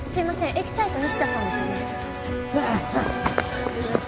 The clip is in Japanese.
エキサイト西田さんですよね？